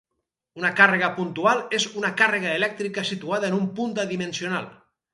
Una càrrega puntual és una càrrega elèctrica situada en un punt adimensional.